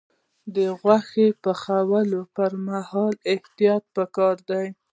د غوښې پخولو پر مهال احتیاط پکار دی.